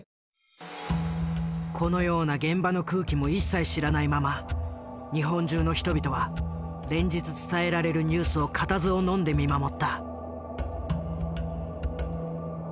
このような現場の空気も一切知らないまま日本中の人々は連日伝えられるニュースを固唾をのんで見守った。